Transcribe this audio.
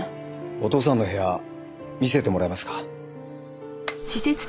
お父さんの部屋見せてもらえますか？